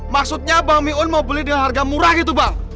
maksudnya bang mion mau beli dengan harga murah gitu bang